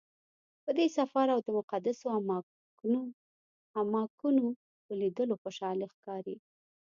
په دې سفر او د مقدسو اماکنو په لیدلو خوشحاله ښکاري.